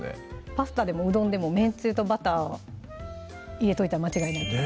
パスタでもうどんでもめんつゆとバターは入れといたら間違いないです